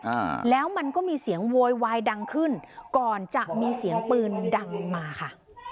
อ่าแล้วมันก็มีเสียงโวยวายดังขึ้นก่อนจะมีเสียงปืนดังลงมาค่ะ